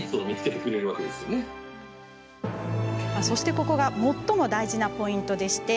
そしてここが最も大事なポイント。